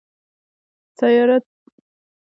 سپارو تر اسونو لوی حیوانات او مښوکې درلودې.